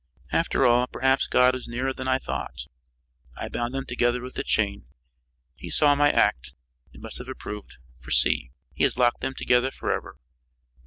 "After all, perhaps God was nearer than I thought. I bound them together with a chain. He saw my act and must have approved, for see! He has locked them together forever.